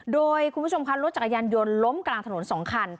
โดยคุณผู้ชมค่ะรถจักรยานยนต์ล้มกลางถนน๒คัน